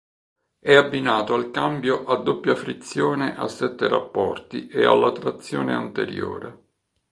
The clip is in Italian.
È abbinato al cambio a doppia frizione a sette rapporti e alla trazione anteriore.